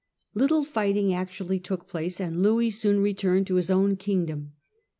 Little fighting actually took place, and Louis soon re turned to his own kingdom.